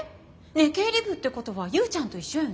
ねえ経理部ってことは勇ちゃんと一緒よね？